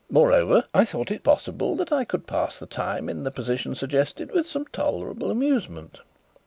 Moreover, I thought it possible that I could pass the time in the position suggested with some tolerable amusement.